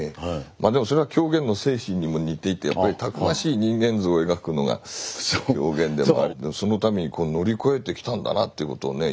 それは狂言の精神にも似ていてたくましい人間像を描くのが狂言でもありそのために乗り越えてきたんだなということをね